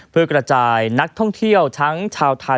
เพื่อกระจายนักท่องเที่ยวทั้งชาวไทย